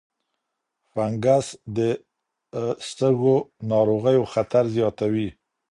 فنګس د سږو ناروغیو خطر زیاتوي.